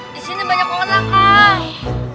di sini banyak orang kak